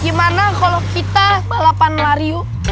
gimana kalau kita balapan lari yuk